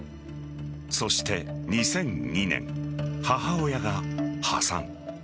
そして２００２年、母親が破産。